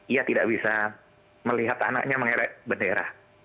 ia tidak bisa melihat anaknya mengerek bendera